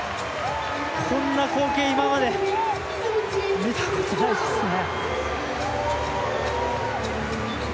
こんな光景今まで見たことないですね。